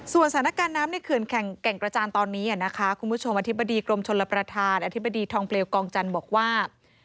สถานการณ์น้ำในเขื่อนแก่งกระจานตอนนี้นะคะคุณผู้ชมอธิบดีกรมชลประธานอธิบดีทองเปลวกองจันทร์บอกว่า